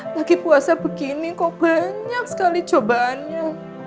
lagi puasa begini kok banyak sekali cobaannya